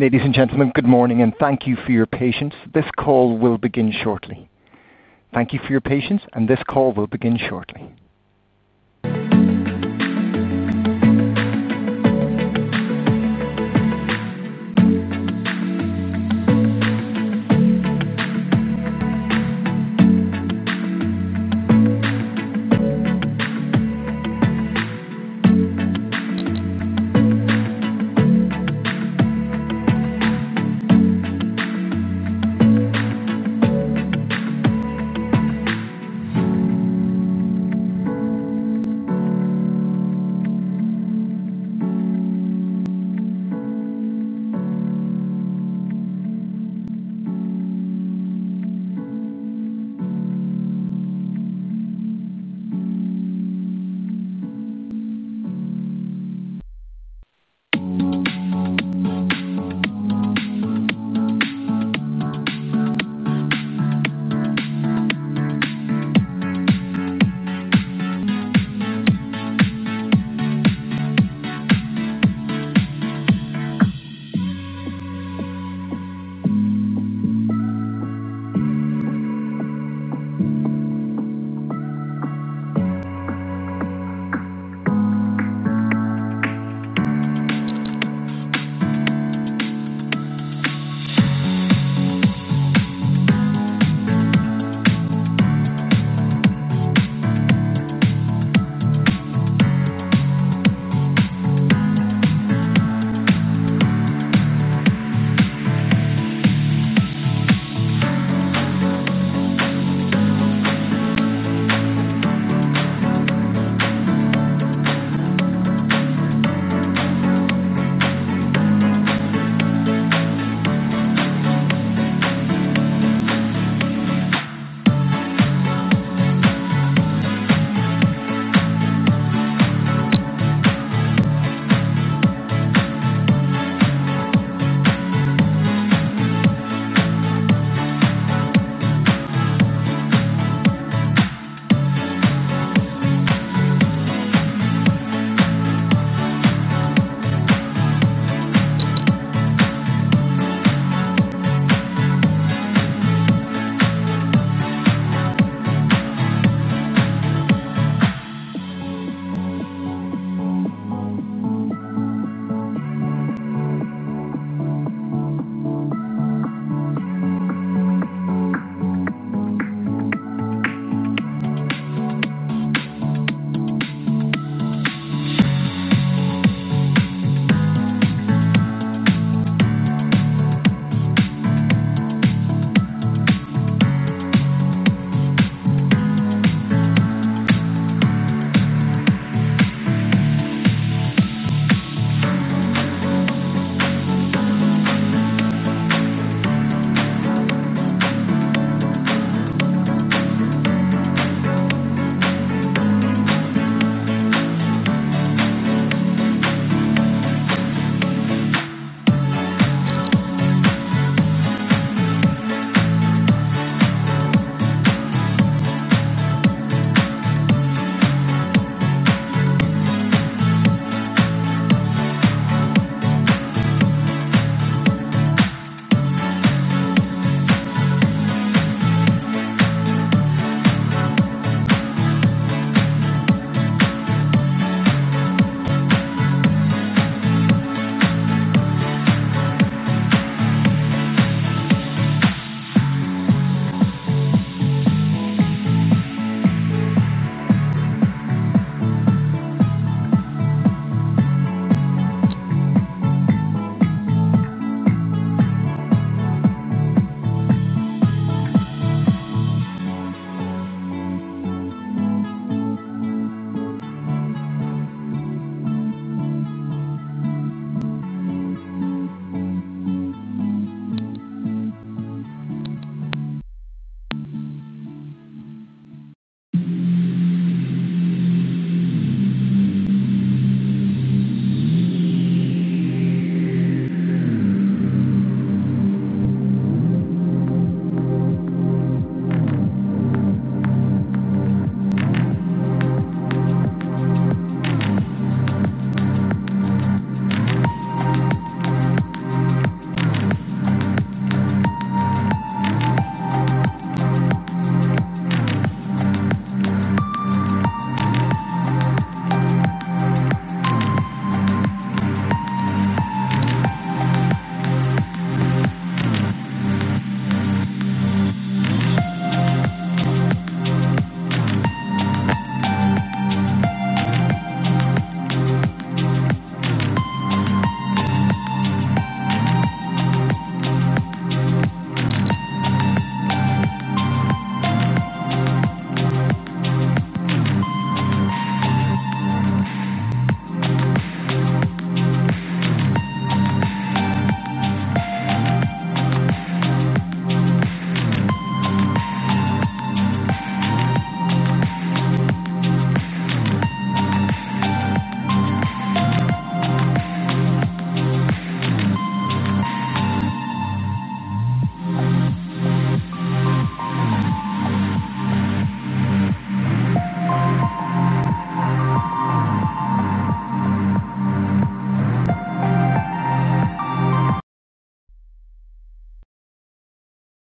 Ladies and gentlemen, good morning, and thank you for your patience. This call will begin shortly. Thank you for your patience, this call will begin shortly.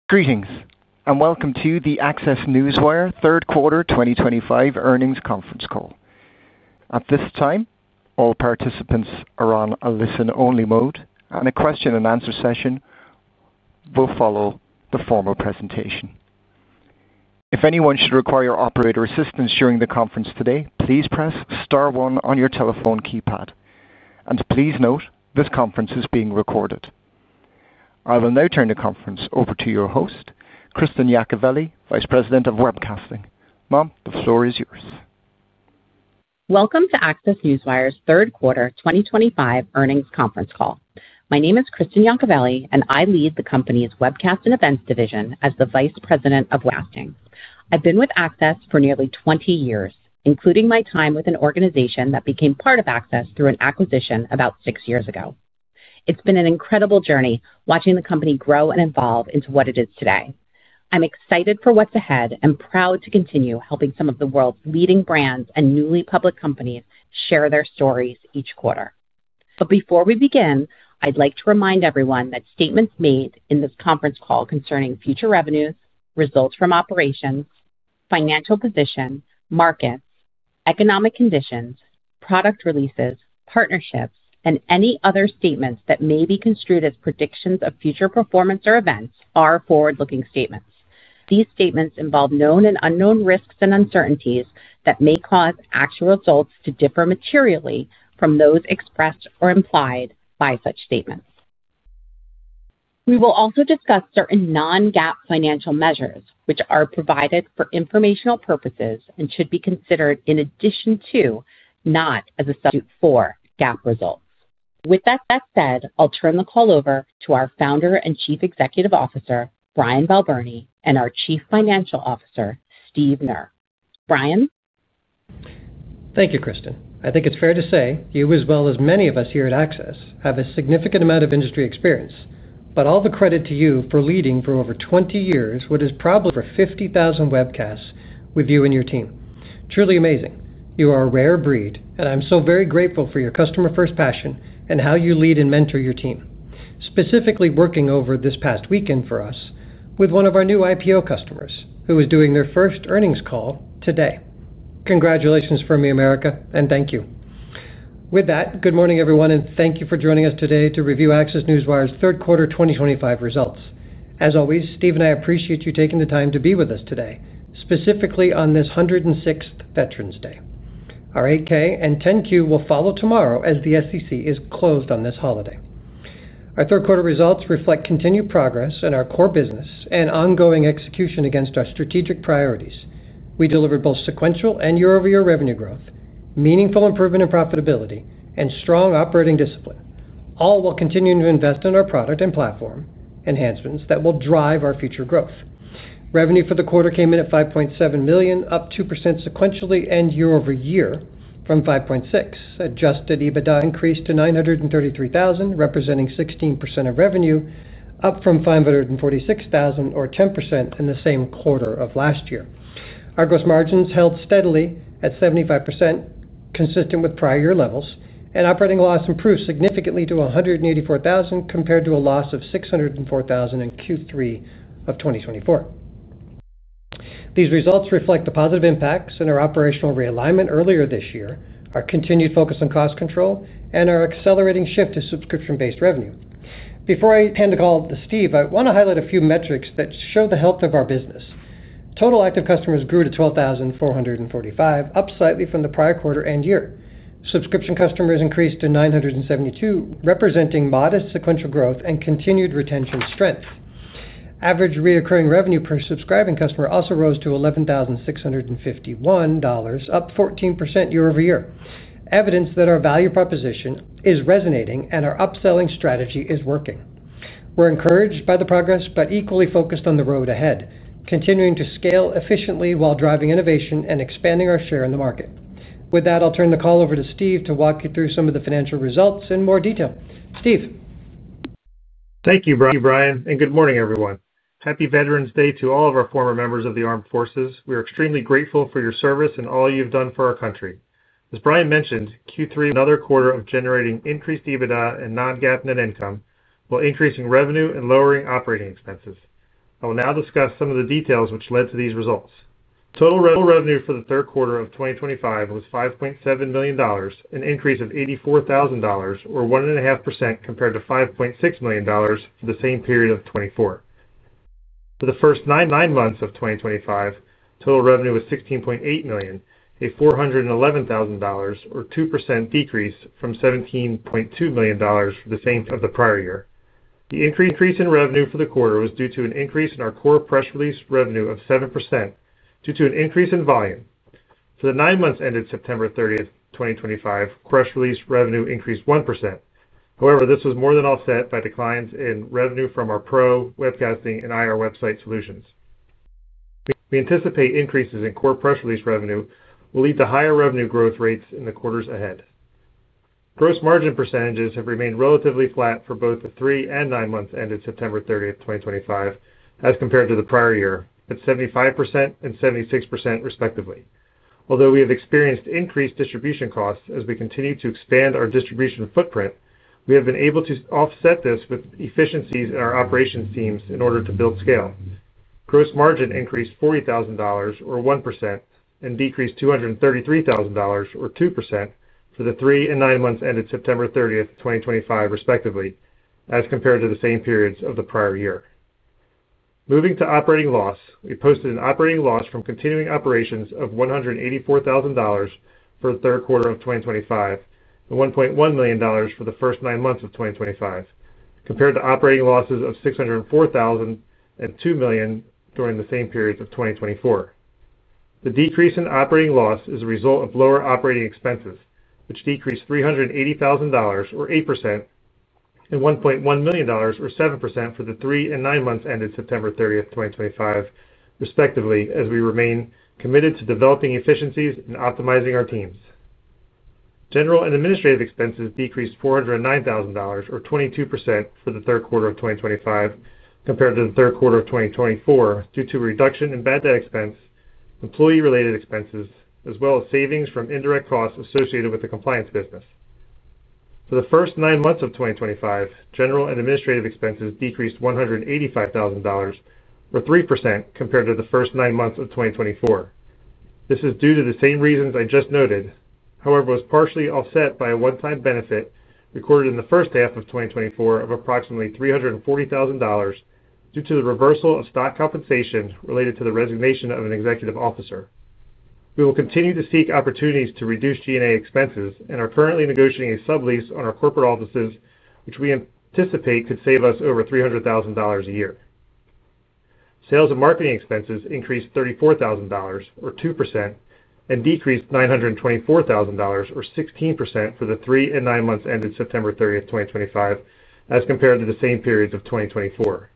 Greetings, and welcome to the ACCESS Newswire third quarter 2025 earnings conference call. At this time, all participants are on a listen-only mode, and a question-and-answer session will follow the formal presentation. If anyone should require operator assistance during the conference today, please press star one on your telephone keypad. Please note, this conference is being recorded. I will now turn the conference over to your host, Kristen Yacovelli, Vice President of Webcasting. Ma'am, the floor is yours. Welcome to ACCESS Newswire's third quarter 2025 earnings conference call. My name is Kristen Yacovelli, and I lead the company's webcast and events division as the Vice President of Webcasting. I've been with ACCESS for nearly 20 years, including my time with an organization that became part of ACCESS through an acquisition about six years ago. It's been an incredible journey watching the company grow and evolve into what it is today. I'm excited for what's ahead and proud to continue helping some of the world's leading brands and newly public companies share their stories each quarter. Before we begin, I'd like to remind everyone that statements made in this conference call concerning future revenues, results from operations, financial position, markets, economic conditions, product releases, partnerships, and any other statements that may be construed as predictions of future performance or events are forward-looking statements. These statements involve known and unknown risks and uncertainties that may cause actual results to differ materially from those expressed or implied by such statements. We will also discuss certain non-GAAP financial measures, which are provided for informational purposes and should be considered in addition to, not as a substitute for GAAP results. With that said, I'll turn the call over to our Founder and Chief Executive Officer, Brian Balbirnie, and our Chief Financial Officer, Steve Knerr. Brian. Thank you, Kristen. I think it's fair to say you, as well as many of us here at ACCESS, have a significant amount of industry experience. All the credit to you for leading for over 20 years what is probably over 50,000 webcasts with you and your team. Truly amazing. You are a rare breed, and I'm so very grateful for your customer-first passion and how you lead and mentor your team. Specifically, working over this past weekend for us with one of our new IPO customers who is doing their first earnings call today. Congratulations from me, America, and thank you. With that, good morning, everyone, and thank you for joining us today to review ACCESS Newswire's third quarter 2025 results. As always, Steve and I appreciate you taking the time to be with us today, specifically on this 106th Veterans Day. Our 8-K and 10-Q will follow tomorrow as the SEC is closed on this holiday. Our third quarter results reflect continued progress in our core business and ongoing execution against our strategic priorities. We delivered both sequential and year-over-year revenue growth, meaningful improvement in profitability, and strong operating discipline, all while continuing to invest in our product and platform enhancements that will drive our future growth. Revenue for the quarter came in at $5.7 million, up 2% sequentially and year-over-year from $5.6 million. Adjusted EBITDA increased to $933,000, representing 16% of revenue, up from $546,000, or 10% in the same quarter of last year. Our gross margins held steadily at 75%, consistent with prior year levels, and operating loss improved significantly to $184,000 compared to a loss of $604,000 in Q3 of 2024. These results reflect the positive impacts in our operational realignment earlier this year, our continued focus on cost control, and our accelerating shift to subscription-based revenue. Before I hand the call to Steve, I want to highlight a few metrics that show the health of our business. Total active customers grew to 12,445, up slightly from the prior quarter and year. Subscription customers increased to 972, representing modest sequential growth and continued retention strength. Average recurring revenue per subscribing customer also rose to $11,651, up 14% year-over-year, evidence that our value proposition is resonating and our upselling strategy is working. We're encouraged by the progress but equally focused on the road ahead, continuing to scale efficiently while driving innovation and expanding our share in the market. With that, I'll turn the call over to Steve to walk you through some of the financial results in more detail. Steve. Thank you, Brian, and good morning, everyone. Happy Veterans Day to all of our former members of the Armed Forces. We are extremely grateful for your service and all you've done for our country. As Brian mentioned, Q3, another quarter of generating increased EBITDA and non-GAAP net income while increasing revenue and lowering operating expenses. I will now discuss some of the details which led to these results. Total revenue for the third quarter of 2025 was $5.7 million, an increase of $84,000, or 1.5% compared to $5.6 million for the same period of 2024. For the first nine months of 2025, total revenue was $16.8 million, a $411,000, or 2% decrease from $17.2 million for the same of the prior year. The increase in revenue for the quarter was due to an increase in our core press release revenue of 7% due to an increase in volume. For the nine months ended September 30th, 2025, press release revenue increased 1%. However, this was more than offset by declines in revenue from our pro webcasting and IR website solutions. We anticipate increases in core press release revenue will lead to higher revenue growth rates in the quarters ahead. Gross margin percentages have remained relatively flat for both the three and nine months ended September 30th, 2025, as compared to the prior year at 75% and 76%, respectively. Although we have experienced increased distribution costs as we continue to expand our distribution footprint, we have been able to offset this with efficiencies in our operations teams in order to build scale. Gross margin increased $40,000, or 1%, and decreased $233,000, or 2%, for the three and nine months ended September 30th, 2025, respectively, as compared to the same periods of the prior year. Moving to operating loss, we posted an operating loss from continuing operations of $184,000 for the third quarter of 2025 and $1.1 million for the first nine months of 2025, compared to operating losses of $604,002 during the same period of 2024. The decrease in operating loss is a result of lower operating expenses, which decreased $380,000, or 8%, and $1.1 million, or 7%, for the three and nine months ended September 30th, 2025, respectively, as we remain committed to developing efficiencies and optimizing our teams. General and administrative expenses decreased $409,000, or 22%, for the third quarter of 2025 compared to the third quarter of 2024 due to reduction in bad debt expense, employee-related expenses, as well as savings from indirect costs associated with the compliance business. For the first nine months of 2025, general and administrative expenses decreased $185,000, or 3%, compared to the first nine months of 2024. This is due to the same reasons I just noted, however, was partially offset by a one-time benefit recorded in the first half of 2024 of approximately $340,000 due to the reversal of stock compensation related to the resignation of an executive officer. We will continue to seek opportunities to reduce G&A expenses and are currently negotiating a sublease on our corporate offices, which we anticipate could save us over $300,000 a year. Sales and marketing expenses increased $34,000, or 2%, and decreased $924,000, or 16%, for the three and nine months ended September 30th, 2025, as compared to the same periods of 2024.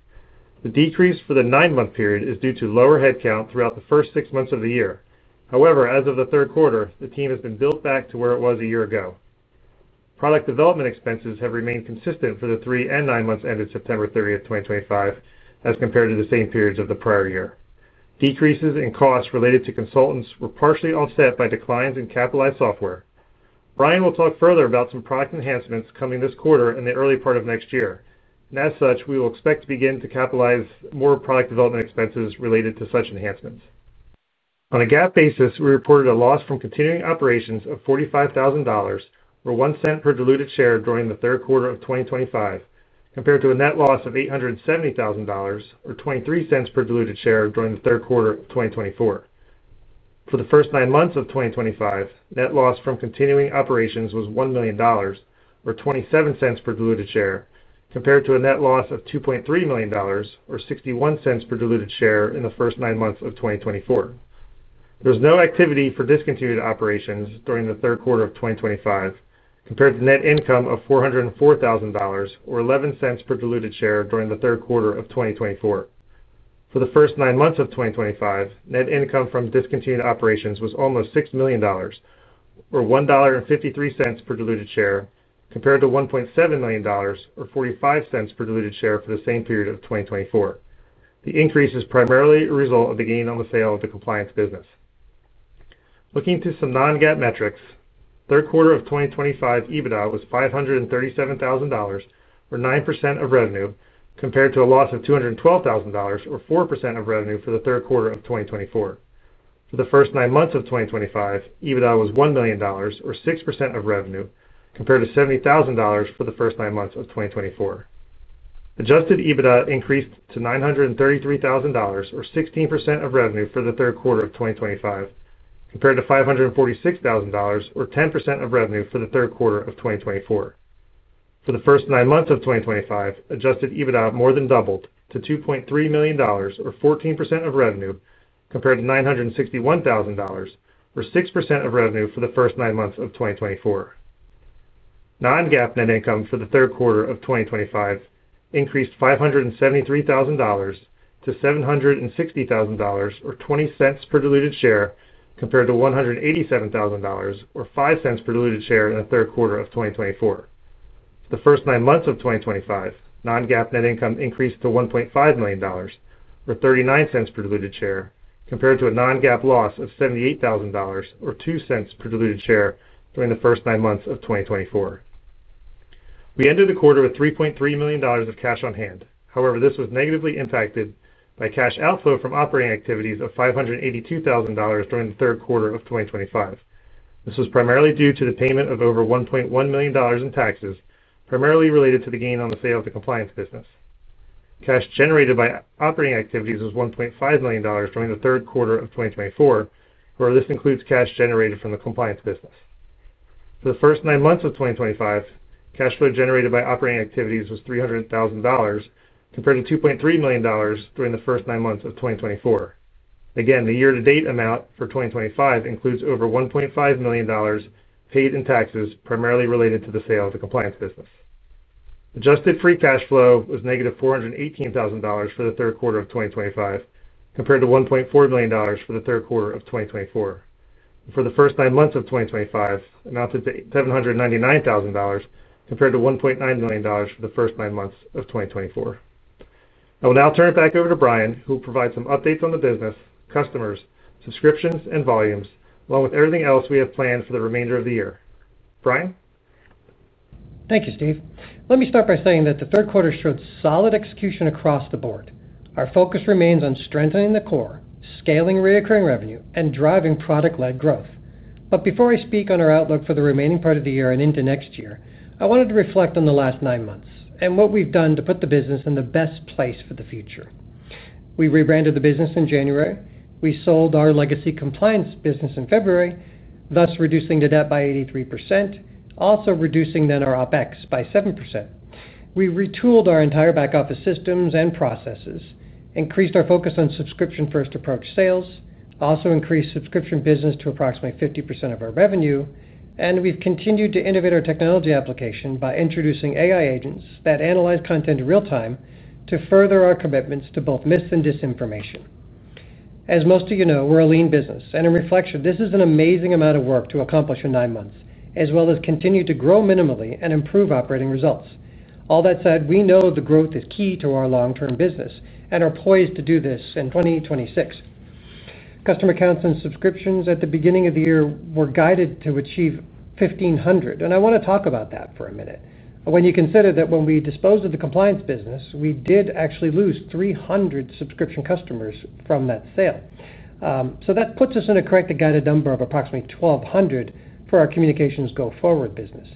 The decrease for the nine-month period is due to lower headcount throughout the first six months of the year. However, as of the third quarter, the team has been built back to where it was a year ago. Product development expenses have remained consistent for the three and nine months ended September 30th, 2025, as compared to the same periods of the prior year. Decreases in costs related to consultants were partially offset by declines in capitalized software. Brian will talk further about some product enhancements coming this quarter and the early part of next year. As such, we will expect to begin to capitalize more product development expenses related to such enhancements. On a GAAP basis, we reported a loss from continuing operations of $45,000, or $0.01 per diluted share during the third quarter of 2025, compared to a net loss of $870,000, or $0.23 per diluted share during the third quarter of 2024. For the first nine months of 2025, net loss from continuing operations was $1 million, or $0.27 per diluted share, compared to a net loss of $2.3 million, or $0.61 per diluted share in the first nine months of 2024. There was no activity for discontinued operations during the third quarter of 2025, compared to net income of $404,000, or $0.11 per diluted share during the third quarter of 2024. For the first nine months of 2025, net income from discontinued operations was almost $6 million, or $1.53 per diluted share, compared to $1.7 million, or $0.45 per diluted share for the same period of 2024. The increase is primarily a result of the gain on the sale of the compliance business. Looking to some non-GAAP metrics, third quarter of 2025 EBITDA was $537,000, or 9% of revenue, compared to a loss of $212,000, or 4% of revenue for the third quarter of 2024. For the first nine months of 2025, EBITDA was $1 million, or 6% of revenue, compared to $70,000 for the first nine months of 2024. Adjusted EBITDA increased to $933,000, or 16% of revenue for the third quarter of 2025, compared to $546,000, or 10% of revenue for the third quarter of 2024. For the first nine months of 2025, Adjusted EBITDA more than doubled to $2.3 million, or 14% of revenue, compared to $961,000, or 6% of revenue for the first nine months of 2024. Non-GAAP net income for the third quarter of 2025 increased $573,000 to $760,000, or $0.20 per diluted share, compared to $187,000, or $0.05 per diluted share in the third quarter of 2024. For the first nine months of 2025, non-GAAP net income increased to $1.5 million, or $0.39 per diluted share, compared to a non-GAAP loss of $78,000, or $0.02 per diluted share during the first nine months of 2024. We ended the quarter with $3.3 million of cash on hand. However, this was negatively impacted by cash outflow from operating activities of $582,000 during the third quarter of 2025. This was primarily due to the payment of over $1.1 million in taxes, primarily related to the gain on the sale of the compliance business. Cash generated by operating activities was $1.5 million during the third quarter of 2024, where this includes cash generated from the compliance business. For the first nine months of 2025, cash flow generated by operating activities was $300,000, compared to $2.3 million during the first nine months of 2024. Again, the year-to-date amount for 2025 includes over $1.5 million paid in taxes, primarily related to the sale of the compliance business. Adjusted free cash flow was $418,000 for the third quarter of 2025, compared to $1.4 million for the third quarter of 2024. For the first nine months of 2025, amounted to $799,000, compared to $1.9 million for the first nine months of 2024. I will now turn it back over to Brian, who will provide some updates on the business, customers, subscriptions, and volumes, along with everything else we have planned for the remainder of the year. Brian? Thank you, Steve. Let me start by saying that the third quarter showed solid execution across the board. Our focus remains on strengthening the core, scaling recurring revenue, and driving product-led growth. Before I speak on our outlook for the remaining part of the year and into next year, I wanted to reflect on the last nine months and what we've done to put the business in the best place for the future. We rebranded the business in January. We sold our legacy compliance business in February, thus reducing the debt by 83%, also reducing then our OPEX by 7%. We retooled our entire back-office systems and processes, increased our focus on subscription-first approach sales, also increased subscription business to approximately 50% of our revenue, and we have continued to innovate our technology application by introducing AI agents that analyze content real-time to further our commitments to both myths and disinformation. As most of you know, we are a lean business, and in reflection, this is an amazing amount of work to accomplish in nine months, as well as continue to grow minimally and improve operating results. All that said, we know the growth is key to our long-term business and are poised to do this in 2026. Customer accounts and subscriptions at the beginning of the year were guided to achieve 1,500, and I want to talk about that for a minute. When you consider that when we disposed of the compliance business, we did actually lose 300 subscription customers from that sale. That puts us in a correctly guided number of approximately 1,200 for our communications go-forward business.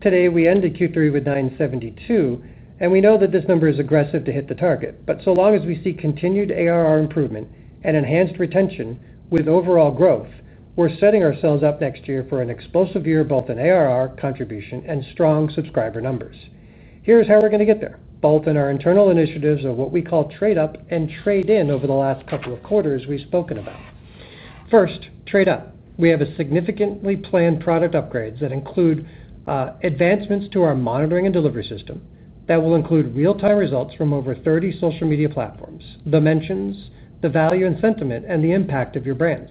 Today, we ended Q3 with 972, and we know that this number is aggressive to hit the target. As long as we see continued ARR improvement and enhanced retention with overall growth, we're setting ourselves up next year for an explosive year, both in ARR contribution and strong subscriber numbers. Here's how we're going to get there, both in our internal initiatives of what we call trade-up and trade-in over the last couple of quarters we've spoken about. First, trade-up. We have significantly planned product upgrades that include advancements to our monitoring and delivery system that will include real-time results from over 30 social media platforms, the mentions, the value and sentiment, and the impact of your brands,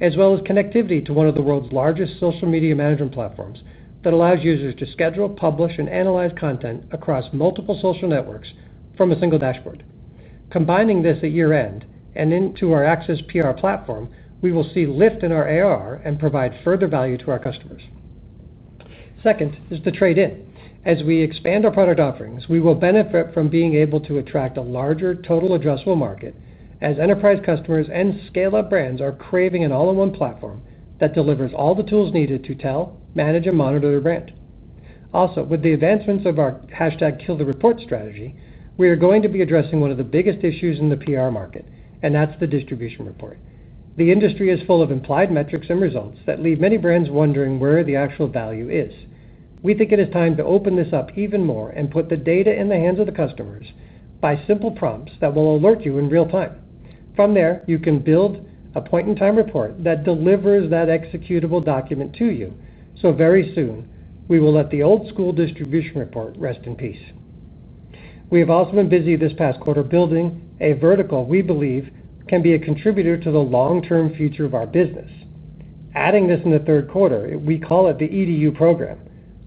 as well as connectivity to one of the world's largest social media management platforms that allows users to schedule, publish, and analyze content across multiple social networks from a single dashboard. Combining this at year-end and into our Access PR platform, we will see lift in our ARR and provide further value to our customers. Second is the trade-in. As we expand our product offerings, we will benefit from being able to attract a larger total addressable market as enterprise customers and scale-up brands are craving an all-in-one platform that delivers all the tools needed to tell, manage, and monitor their brand. Also, with the advancements of our #KeelTheReport strategy, we are going to be addressing one of the biggest issues in the PR market, and that's the distribution report. The industry is full of implied metrics and results that leave many brands wondering where the actual value is. We think it is time to open this up even more and put the data in the hands of the customers by simple prompts that will alert you in real time. From there, you can build a point-in-time report that delivers that executable document to you. Very soon, we will let the old-school distribution report rest in peace. We have also been busy this past quarter building a vertical we believe can be a contributor to the long-term future of our business. Adding this in the third quarter, we call it the EDU program,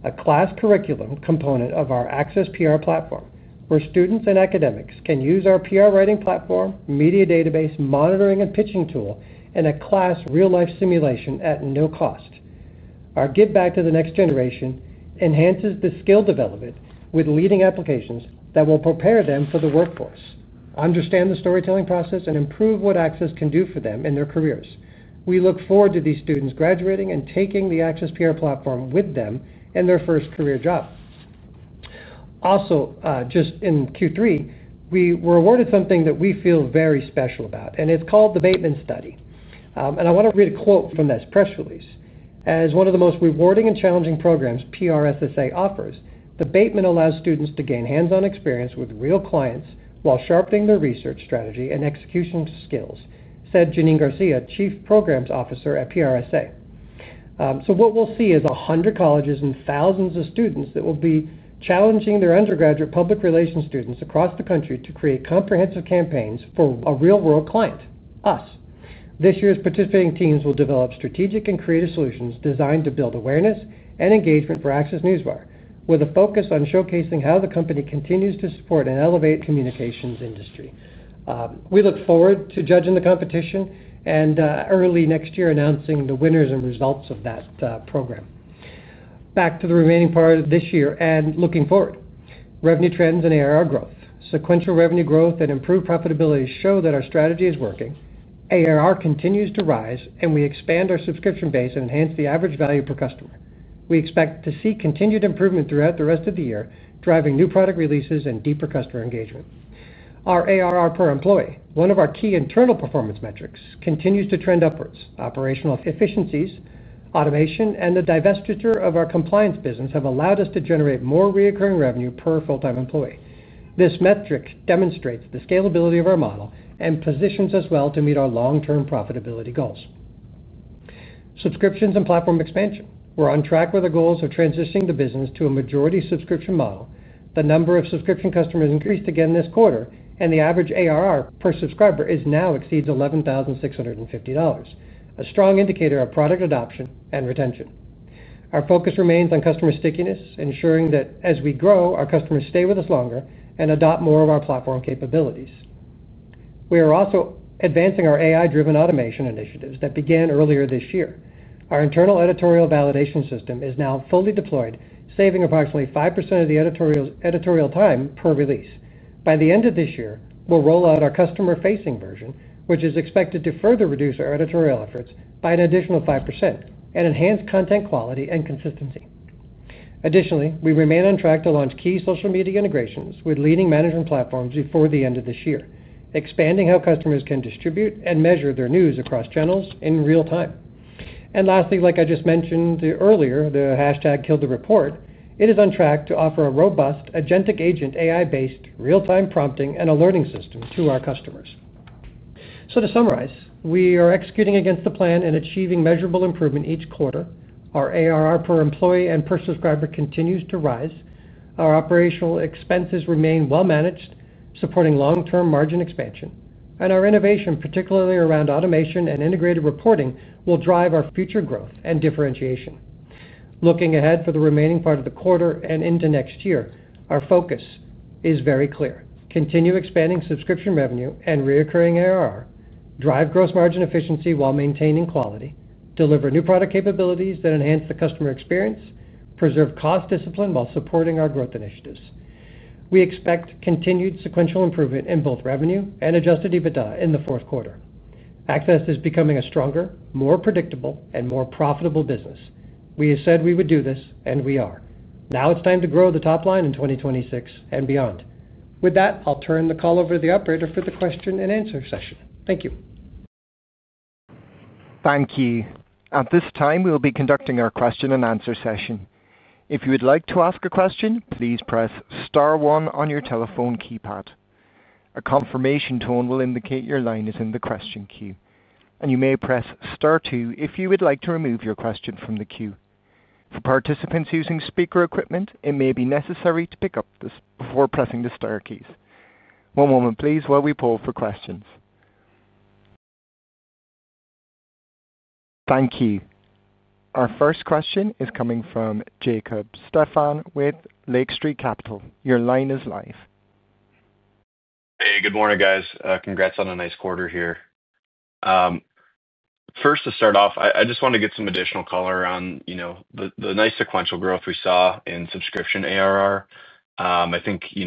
a class curriculum component of our Access PR platform, where students and academics can use our PR writing platform, media database, monitoring and pitching tool, and a class real-life simulation at no cost. Our Give Back to the Next Generation enhances the skill development with leading applications that will prepare them for the workforce, understand the storytelling process, and improve what Access can do for them in their careers. We look forward to these students graduating and taking the Access PR platform with them in their first career job. Also, just in Q3, we were awarded something that we feel very special about, and it is called the Bateman Study. I want to read a quote from this press release. As one of the most rewarding and challenging programs PRSSA offers, the Bateman allows students to gain hands-on experience with real clients while sharpening their research strategy and execution skills," said Jeneen Garcia, Chief Programs Officer at PRSSA. What we'll see is 100 colleges and thousands of students that will be challenging their undergraduate public relations students across the country to create comprehensive campaigns for a real-world client, us. This year's participating teams will develop strategic and creative solutions designed to build awareness and engagement for ACCESS Newswire, with a focus on showcasing how the company continues to support and elevate the communications industry. We look forward to judging the competition and early next year announcing the winners and results of that program. Back to the remaining part of this year and looking forward. Revenue trends and ARR growth. Sequential revenue growth and improved profitability show that our strategy is working. ARR continues to rise, and we expand our subscription base and enhance the average value per customer. We expect to see continued improvement throughout the rest of the year, driving new product releases and deeper customer engagement. Our ARR per employee, one of our key internal performance metrics, continues to trend upwards. Operational efficiencies, automation, and the divestiture of our compliance business have allowed us to generate more recurring revenue per full-time employee. This metric demonstrates the scalability of our model and positions us well to meet our long-term profitability goals. Subscriptions and platform expansion. We're on track with our goals of transitioning the business to a majority subscription model. The number of subscription customers increased again this quarter, and the average ARR per subscriber now exceeds $11,650, a strong indicator of product adoption and retention. Our focus remains on customer stickiness, ensuring that as we grow, our customers stay with us longer and adopt more of our platform capabilities. We are also advancing our AI-driven automation initiatives that began earlier this year. Our internal editorial validation system is now fully deployed, saving approximately 5% of the editorial time per release. By the end of this year, we'll roll out our customer-facing version, which is expected to further reduce our editorial efforts by an additional 5% and enhance content quality and consistency. Additionally, we remain on track to launch key social media integrations with leading management platforms before the end of this year, expanding how customers can distribute and measure their news across channels in real time. Lastly, like I just mentioned earlier, the #KeelTheReport, it is on track to offer a robust agentic agent AI-based real-time prompting and alerting system to our customers. To summarize, we are executing against the plan and achieving measurable improvement each quarter. Our ARR per employee and per subscriber continues to rise. Our operational expenses remain well-managed, supporting long-term margin expansion. Our innovation, particularly around automation and integrated reporting, will drive our future growth and differentiation. Looking ahead for the remaining part of the quarter and into next year, our focus is very clear. Continue expanding subscription revenue and recurring ARR, drive gross margin efficiency while maintaining quality, deliver new product capabilities that enhance the customer experience, preserve cost discipline while supporting our growth initiatives. We expect continued sequential improvement in both revenue and Adjusted EBITDA in the fourth quarter. ACCESS is becoming a stronger, more predictable, and more profitable business. We have said we would do this, and we are. Now it's time to grow the top line in 2026 and beyond. With that, I'll turn the call over to the operator for the question-and-answer session. Thank you. Thank you. At this time, we'll be conducting our question-and-answer session. If you would like to ask a question, please press star one on your telephone keypad. A confirmation tone will indicate your line is in the question queue, and you may press star two if you would like to remove your question from the queue. For participants using speaker equipment, it may be necessary to pick up the handset before pressing the star keys. One moment, please, while we poll for questions. Thank you. Our first question is coming from Jacob Stephan with Lake Street Capital. Your line is live. Hey, good morning, guys. Congrats on a nice quarter here. First, to start off, I just want to get some additional color on the nice sequential growth we saw in subscription ARR. I think you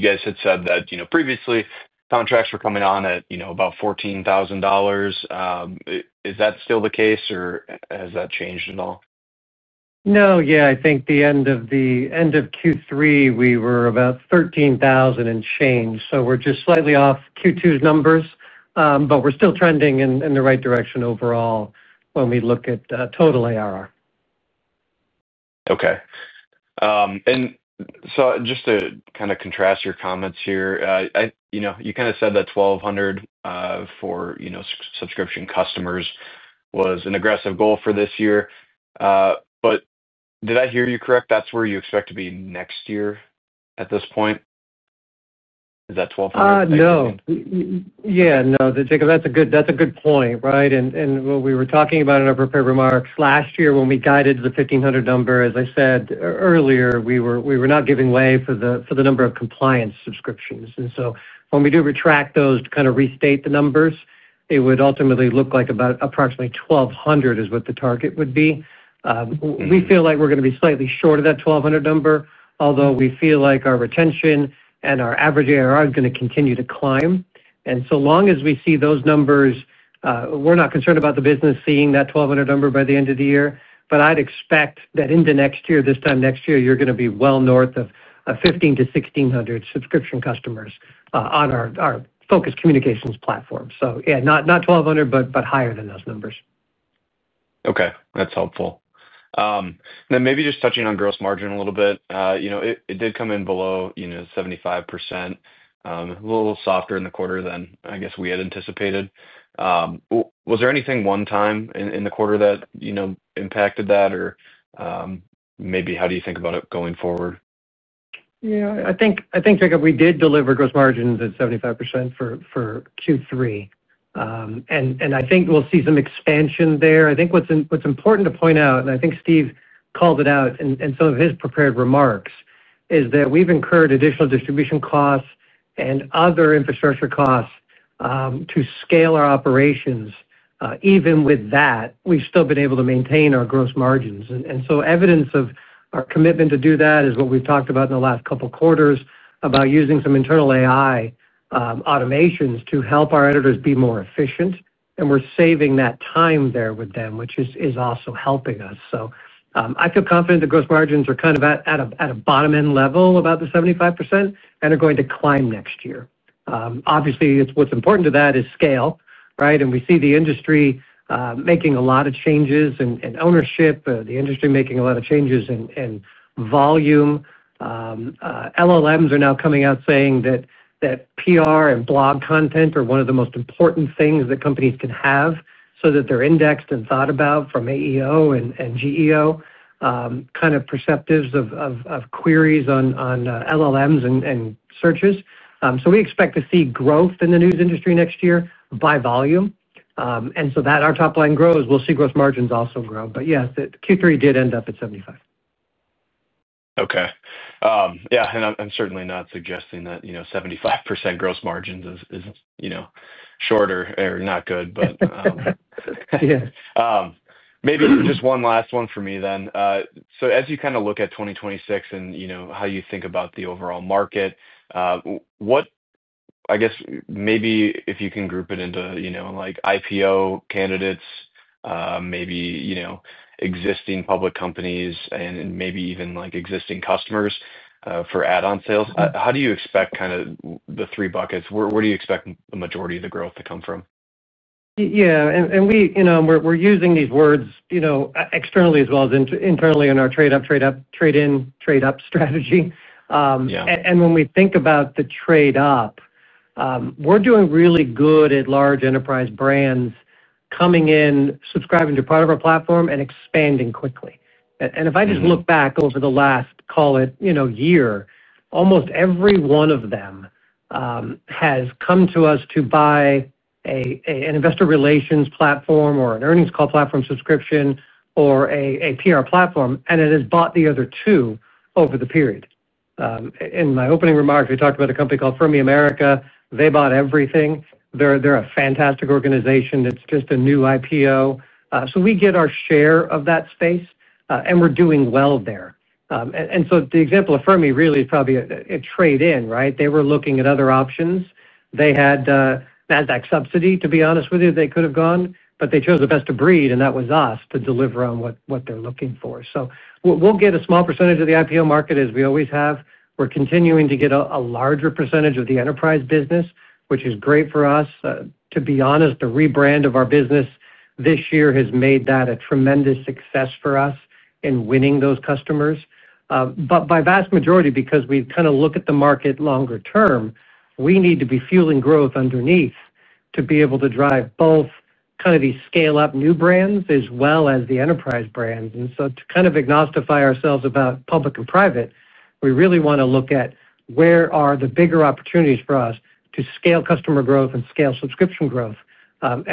guys had said that previously, contracts were coming on at about $14,000. Is that still the case, or has that changed at all? No, yeah, I think the end of Q3, we were about 13,000 and change. So we're just slightly off Q2's numbers, but we're still trending in the right direction overall when we look at total ARR. Okay. And just to kind of contrast your comments here, you kind of said that 1,200 for subscription customers was an aggressive goal for this year. Did I hear you correct? That's where you expect to be next year at this point? Is that 1,200? No. Yeah, no. Jacob, that's a good point, right? What we were talking about in our prepared remarks last year when we guided the 1,500 number, as I said earlier, we were not giving way for the number of compliance subscriptions. When we do retract those to kind of restate the numbers, it would ultimately look like about approximately 1,200 is what the target would be. We feel like we're going to be slightly short of that 1,200 number, although we feel like our retention and our average ARR is going to continue to climb. As long as we see those numbers, we're not concerned about the business seeing that 1,200 number by the end of the year. I'd expect that into next year, this time next year, you're going to be well north of 1,500-1,600 subscription customers on our focus communications platform. Yeah, not 1,200, but higher than those numbers. Okay. That's helpful. Maybe just touching on gross margin a little bit. It did come in below 75%, a little softer in the quarter than I guess we had anticipated. Was there anything one time in the quarter that impacted that, or maybe how do you think about it going forward? Yeah. I think, Jacob, we did deliver gross margins at 75% for Q3. I think we'll see some expansion there. I think what's important to point out, and I think Steve called it out in some of his prepared remarks, is that we've incurred additional distribution costs and other infrastructure costs to scale our operations. Even with that, we've still been able to maintain our gross margins. Evidence of our commitment to do that is what we've talked about in the last couple of quarters about using some internal AI automations to help our editors be more efficient. We're saving that time there with them, which is also helping us. I feel confident the gross margins are kind of at a bottom-end level about the 75% and are going to climb next year. Obviously, what's important to that is scale, right? We see the industry making a lot of changes in ownership, the industry making a lot of changes in volume. LLMs are now coming out saying that PR and blog content are one of the most important things that companies can have so that they are indexed and thought about from AEO and GEO kind of perspectives of queries on LLMs and searches. We expect to see growth in the news industry next year by volume. In order that our top line grows, we will see gross margins also grow. Yes, Q3 did end up at 75%. Okay. Yeah. I'm certainly not suggesting that 75% gross margins is short or not good, but maybe just one last one for me then. As you kind of look at 2026 and how you think about the overall market, I guess maybe if you can group it into IPO candidates, maybe existing public companies, and maybe even existing customers for add-on sales, how do you expect kind of the three buckets? Where do you expect the majority of the growth to come from? Yeah. We're using these words externally as well as internally in our trade-up, trade-up, trade-in, trade-up strategy. When we think about the trade-up, we're doing really good at large enterprise brands coming in, subscribing to part of our platform, and expanding quickly. If I just look back over the last, call it, year, almost every one of them has come to us to buy an investor relations platform or an earnings call platform subscription or a PR platform, and it has bought the other two over the period. In my opening remarks, we talked about a company called Fermi America. They bought everything. They're a fantastic organization. It's just a new IPO. We get our share of that space, and we're doing well there. The example of Fermi really is probably a trade-in, right? They were looking at other options. They had Nasdaq subsidy, to be honest with you, they could have gone, but they chose the best of breed, and that was us to deliver on what they're looking for. We'll get a small percentage of the IPO market, as we always have. We're continuing to get a larger percentage of the enterprise business, which is great for us. To be honest, the rebrand of our business this year has made that a tremendous success for us in winning those customers. By vast majority, because we kind of look at the market longer term, we need to be fueling growth underneath to be able to drive both kind of these scale-up new brands as well as the enterprise brands. To kind of agnosticize ourselves about public and private, we really want to look at where are the bigger opportunities for us to scale customer growth and scale subscription growth.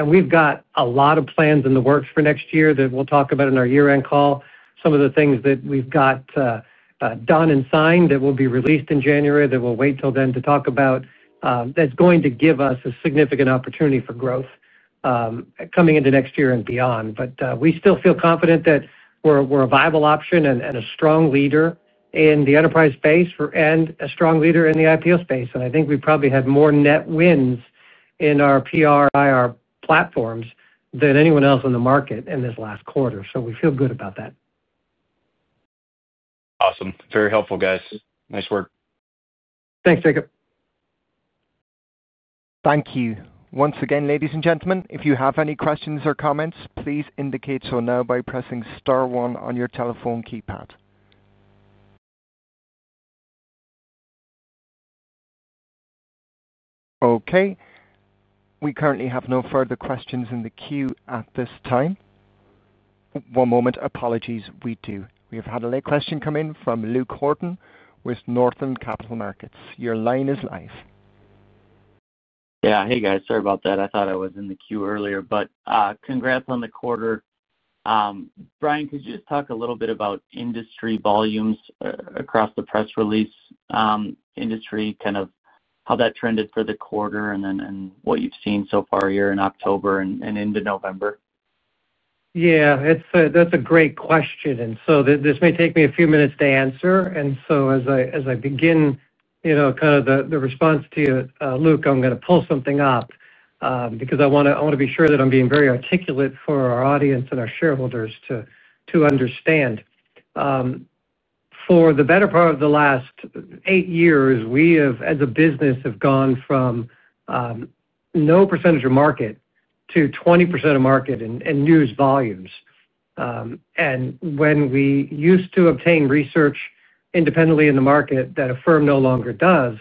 We've got a lot of plans in the works for next year that we'll talk about in our year-end call. Some of the things that we've got done and signed that will be released in January, we'll wait till then to talk about, that's going to give us a significant opportunity for growth coming into next year and beyond. We still feel confident that we're a viable option and a strong leader in the enterprise space and a strong leader in the IPO space. I think we probably had more net wins in our PR, IR platforms than anyone else in the market in this last quarter. We feel good about that. Awesome. Very helpful, guys. Nice work. Thanks, Jacob. Thank you. Once again, ladies and gentlemen, if you have any questions or comments, please indicate so now by pressing star one on your telephone keypad. Okay. We currently have no further questions in the queue at this time. One moment. Apologies. We do. We have had a late question come in from Luke Horton with Northland Capital Markets. Your line is live. Yeah. Hey, guys. Sorry about that. I thought I was in the queue earlier, but congrats on the quarter. Brian, could you just talk a little bit about industry volumes across the press release industry, kind of how that trended for the quarter and what you've seen so far here in October and into November? Yeah. That's a great question. This may take me a few minutes to answer. As I begin kind of the response to you, Luke, I'm going to pull something up because I want to be sure that I'm being very articulate for our audience and our shareholders to understand. For the better part of the last eight years, we have, as a business, gone from no percentage of market to 20% of market and news volumes. When we used to obtain research independently in the market that a firm no longer does,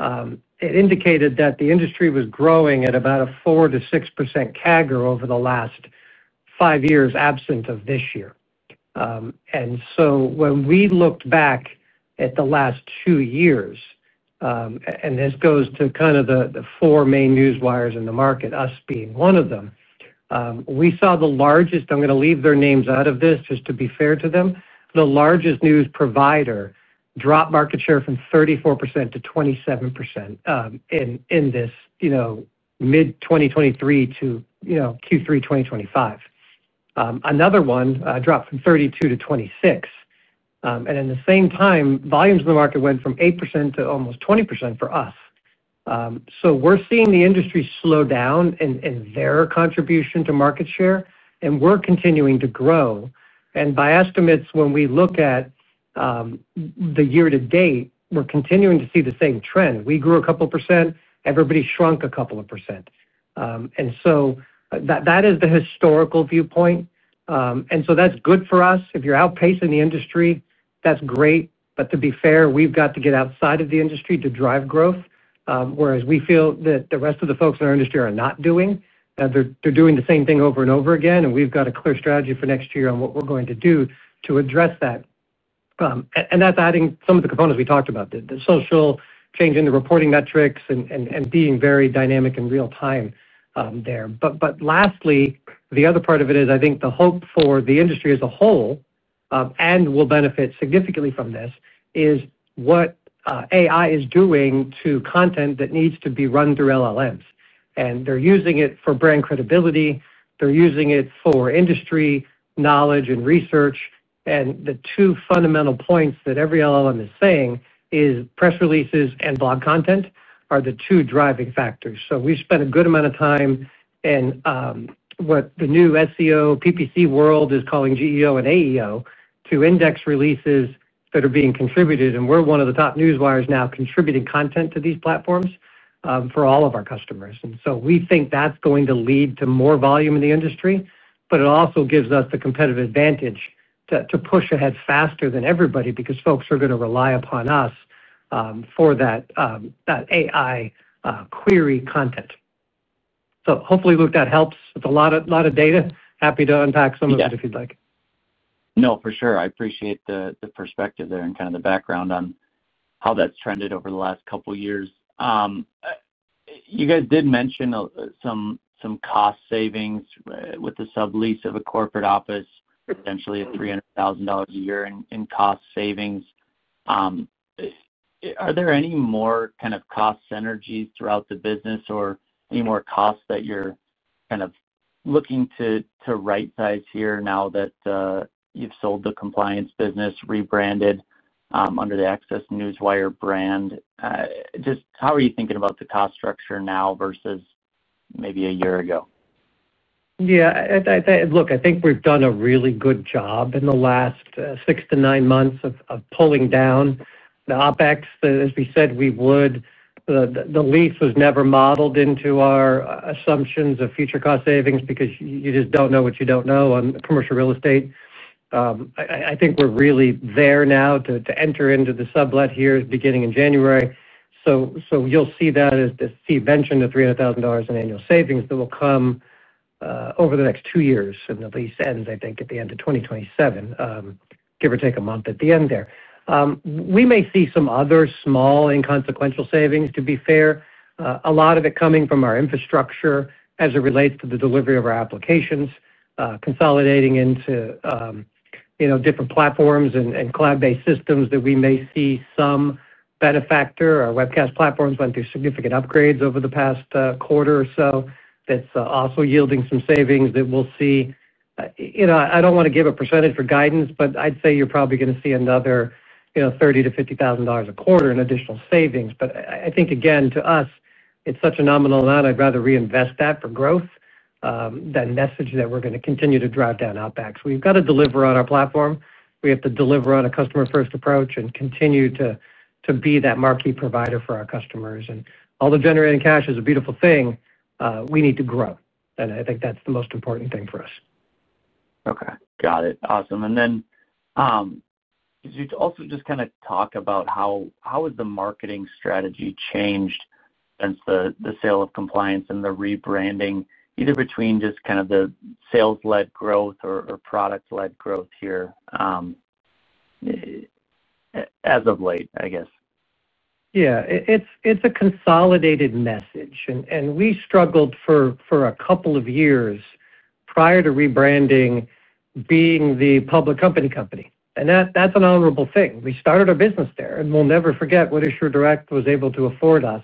it indicated that the industry was growing at about a 4%-6% CAGR over the last five years absent of this year. When we looked back at the last two years, and this goes to kind of the four main news wires in the market, us being one of them, we saw the largest—I'm going to leave their names out of this just to be fair to them—the largest news provider drop market share from 34%-27% in this mid-2023-Q3 2025. Another one dropped from 32%-26%. At the same time, volumes in the market went from 8% to almost 20% for us. We are seeing the industry slow down in their contribution to market share, and we are continuing to grow. By estimates, when we look at the year to date, we are continuing to see the same trend. We grew a couple percent. Everybody shrunk a couple of percent. That is the historical viewpoint. That is good for us. If you're outpacing the industry, that's great. To be fair, we've got to get outside of the industry to drive growth, whereas we feel that the rest of the folks in our industry are not doing. They're doing the same thing over and over again. We've got a clear strategy for next year on what we're going to do to address that. That's adding some of the components we talked about: the social, changing the reporting metrics, and being very dynamic in real time there. Lastly, the other part of it is I think the hope for the industry as a whole and will benefit significantly from this is what AI is doing to content that needs to be run through LLMs. They're using it for brand credibility. They're using it for industry knowledge and research. The two fundamental points that every LLM is saying is press releases and blog content are the two driving factors. We spent a good amount of time in what the new SEO, PPC world is calling GEO and AEO to index releases that are being contributed. We are one of the top news wires now contributing content to these platforms for all of our customers. We think that is going to lead to more volume in the industry, but it also gives us the competitive advantage to push ahead faster than everybody because folks are going to rely upon us for that AI query content. Hopefully, Luke, that helps. It is a lot of data. Happy to unpack some of it if you would like. No, for sure. I appreciate the perspective there and kind of the background on how that's trended over the last couple of years. You guys did mention some cost savings with the sublease of a corporate office, potentially at $300,000 a year in cost savings. Are there any more kind of cost synergies throughout the business or any more costs that you're kind of looking to right-size here now that you've sold the compliance business, rebranded under the ACCESS Newswire brand? Just how are you thinking about the cost structure now versus maybe a year ago? Yeah. Look, I think we've done a really good job in the last six to nine months of pulling down the OPEX, as we said we would. The lease was never modeled into our assumptions of future cost savings because you just don't know what you don't know on commercial real estate. I think we're really there now to enter into the sublet here beginning in January. You'll see that as the venture into $300,000 in annual savings that will come over the next two years. The lease ends, I think, at the end of 2027, give or take a month at the end there. We may see some other small, inconsequential savings, to be fair, a lot of it coming from our infrastructure as it relates to the delivery of our applications, consolidating into different platforms and cloud-based systems that we may see some benefactor. Our webcast platforms went through significant upgrades over the past quarter or so. That is also yielding some savings that we will see. I do not want to give a percentage for guidance, but I would say you are probably going to see another $30,000-$50,000 a quarter in additional savings. I think, again, to us, it is such a nominal amount. I would rather reinvest that for growth, that message that we are going to continue to drive down OPEX. We have got to deliver on our platform. We have to deliver on a customer-first approach and continue to be that marquee provider for our customers. Although generating cash is a beautiful thing, we need to grow. I think that is the most important thing for us. Okay. Got it. Awesome. Could you also just kind of talk about how has the marketing strategy changed since the sale of compliance and the rebranding, either between just kind of the sales-led growth or product-led growth here as of late, I guess? Yeah. It's a consolidated message. We struggled for a couple of years prior to rebranding being the public company company. That's an honorable thing. We started our business there, and we'll never forget what AssureDirect was able to afford us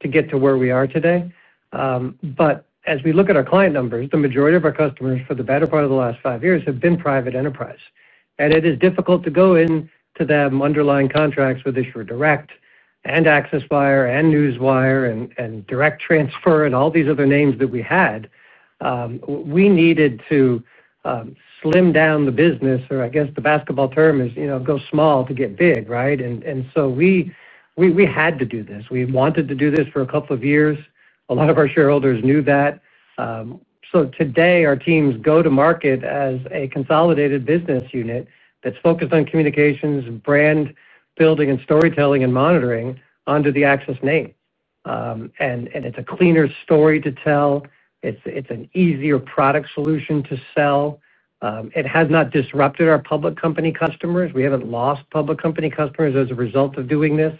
to get to where we are today. As we look at our client numbers, the majority of our customers for the better part of the last five years have been private enterprise. It is difficult to go into them underlying contracts with AssureDirect and AccessWire and Newswire and DirectTransfer and all these other names that we had. We needed to slim down the business, or I guess the basketball term is go small to get big, right? We had to do this. We wanted to do this for a couple of years. A lot of our shareholders knew that. Today, our teams go to market as a consolidated business unit that's focused on communications and brand building and storytelling and monitoring under the Access name. It's a cleaner story to tell. It's an easier product solution to sell. It has not disrupted our public company customers. We haven't lost public company customers as a result of doing this.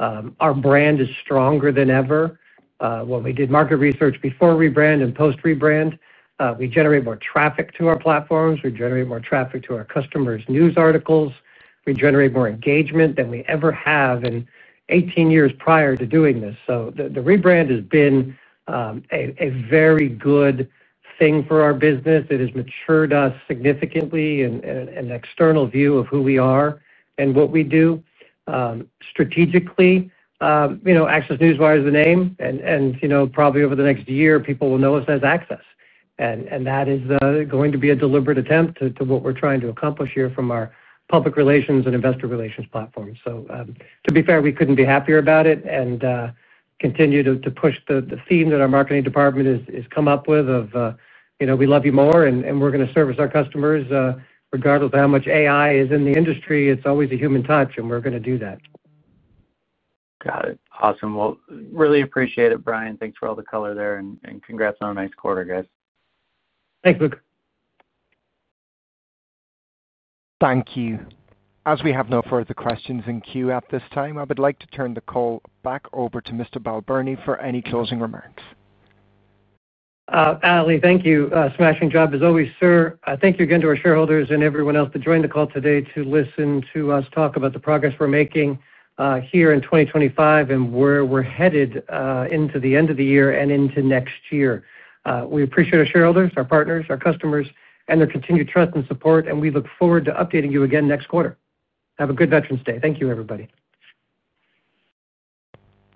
Our brand is stronger than ever. When we did market research before rebrand and post-rebrand, we generate more traffic to our platforms. We generate more traffic to our customers' news articles. We generate more engagement than we ever have in 18 years prior to doing this. The rebrand has been a very good thing for our business. It has matured us significantly and an external view of who we are and what we do. Strategically, Access Newswire is the name. Probably over the next year, people will know us as Access. That is going to be a deliberate attempt to what we're trying to accomplish here from our public relations and investor relations platforms. To be fair, we couldn't be happier about it and continue to push the theme that our marketing department has come up with of, "We love you more, and we're going to service our customers. Regardless of how much AI is in the industry, it's always a human touch, and we're going to do that. Got it. Awesome. I really appreciate it, Brian. Thanks for all the color there. Congrats on a nice quarter, guys. Thanks, Luke. Thank you. As we have no further questions in queue at this time, I would like to turn the call back over to Mr. Balbirnie for any closing remarks. Ally, thank you. Smashing job as always, sir. I thank you again to our shareholders and everyone else that joined the call today to listen to us talk about the progress we're making here in 2025 and where we're headed into the end of the year and into next year. We appreciate our shareholders, our partners, our customers, and their continued trust and support. We look forward to updating you again next quarter. Have a good Veterans Day. Thank you, everybody.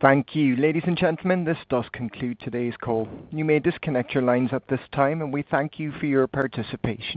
Thank you. Ladies and gentlemen, this does conclude today's call. You may disconnect your lines at this time, and we thank you for your participation.